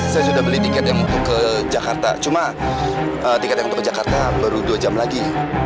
saya sudah beli tiket yang untuk ke jakarta cuma tiket yang untuk ke jakarta baru dua jam lagi